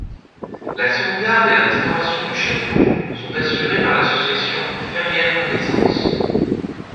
La sauvegarde et la restauration du château sont assurés par l'association Ferrières-Renaissance.